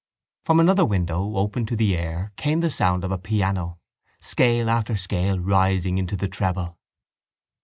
From another window open to the air came the sound of a piano, scale after scale rising into the treble.